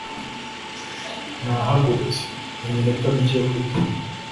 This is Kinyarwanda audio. nahagurutse. mpa iminota mike yo kwitegura